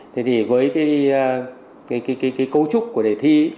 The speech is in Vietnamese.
thế thì với cái cấu trúc của đề thi